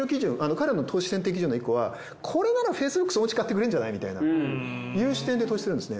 彼らの投資選定基準の１個はこれならＦａｃｅｂｏｏｋそのうち買ってくれんじゃないみたいな。っていう視点で投資するんですね。